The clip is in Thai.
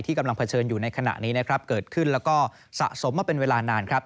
ที่กำลังเผชิญอยู่ในขณะนี้เกิดขึ้นแล้วก็สะสมมาเป็นเวลานาน